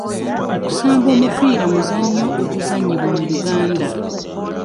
Okusamba omupiira muzannyo oguzannyibwa mu Uganda.